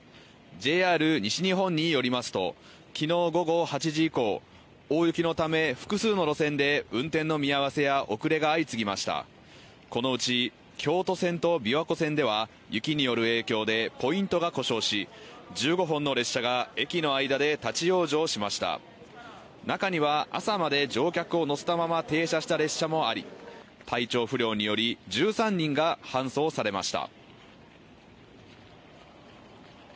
ＪＲ西日本によりますときのう午後８時以降大雪のため複数の路線で運転の見合わせや遅れが相次ぎましたこのうち京都線と琵琶湖線では雪による影響でポイントが故障し１５本の列車が駅の間で立往生しました中には朝まで乗客を乗せたまま停車した列車もあり体調不良により１３人が搬送されました